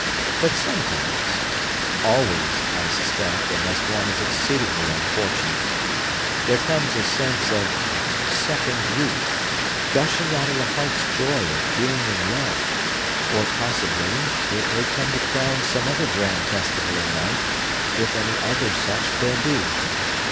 But sometimes—always, I suspect, unless one is exceedingly unfortunate—there comes a sense of second youth, gushing out of the heart's joy at being in love; or, possibly, it may come to crown some other grand festival in life, if any other such there be.